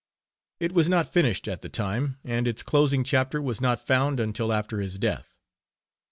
It was not finished at the time, and its closing chapter was not found until after his death.